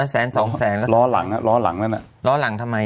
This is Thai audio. สองแสนสองแสนล้อหลังล้อหลังล้อหลังทำไมอ่ะล้อหลังทำไมอ่ะ